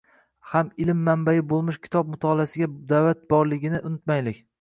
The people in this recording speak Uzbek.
ham ilm manbai bo‘lmish kitob mutolaasiga da’vat borligini unutmaylik.